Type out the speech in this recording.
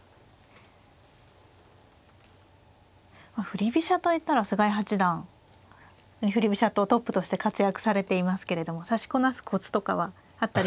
振り飛車といったら菅井八段振り飛車党トップとして活躍されていますけれども指しこなすコツとかはあったりするんですか。